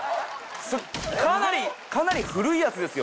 それかなりかなり古いやつですよね。